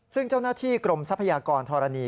ซึ่งเจ้าหน้าที่กรมทรัพยากรธรณี